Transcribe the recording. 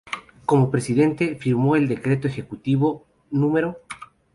Como presidente firmó el Decreto Ejecutivo No.